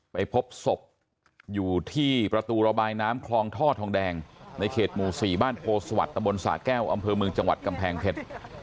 ไปพบศพอยู่ที่ประตูระบายน้ำคลองท่อทองแดงในเขตหมู่๔บ้านโพสวัสดิตะบนสาแก้วอำเภอเมืองจังหวัดกำแพงเพชร